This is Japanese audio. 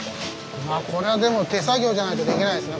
これはでも手作業じゃないとできないですね。